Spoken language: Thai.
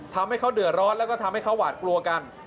ทำให้เขาเดือดร้อนแล้วก็ทำให้เขาหวาดกลัวกัน